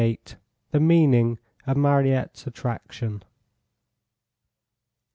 THE MEANING OF MARIETTE'S ATTRACTION.